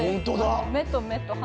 目と目と鼻